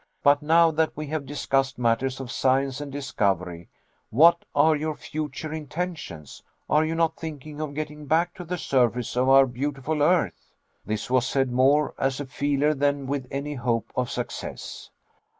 But now that we have discussed matters of science and discovery, what are your future intentions? Are you not thinking of getting back to the surface of our beautiful earth?" This was said more as a feeler than with any hope of success.